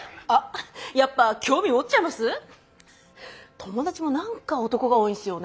友達も何か男が多いんですよね。